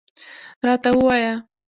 راته ووایه.